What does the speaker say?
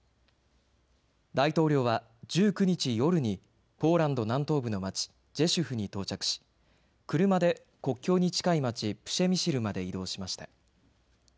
大統領は１９日夜にポーランド南東部の町、ジェシュフに到着し車で国境に近いプシェミシルまで移動しました。